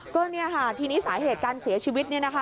ก็เนี่ยค่ะทีนี้สาเหตุการเสียชีวิตเนี่ยนะคะ